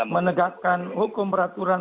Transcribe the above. menegakkan hukum peraturan